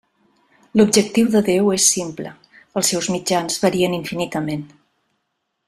L'objectiu de Déu és simple, els seus mitjans varien infinitament.